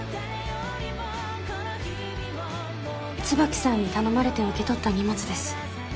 椿さんに頼まれて受け取った荷物です。